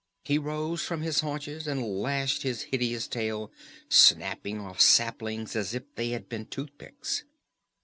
He rose from his haunches and lashed his hideous tail, snapping off saplings as if they had been toothpicks.